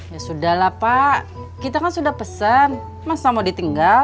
ya sudah lah pak kita kan sudah pesan masa mau ditinggal